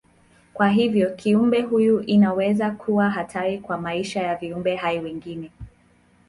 Kwa hivyo kiumbe huyu inaweza kuwa hatari kwa maisha ya viumbe hai wengine.